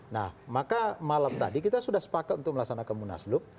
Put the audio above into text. nah maka malam tadi kita sudah sepakat untuk melaksanakan munaslup